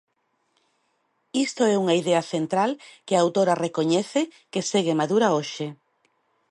Isto é unha idea central que a autora recoñece que segue madura hoxe.